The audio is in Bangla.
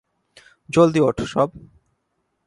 জলদি ওঠ, সব।